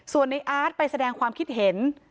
ส่วนในอาร์ตไปแสดงความคิดเห็น